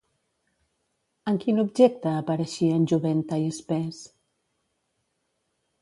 En quin objecte apareixien Juventa i Spes?